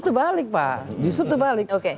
terbalik pak justu terbalik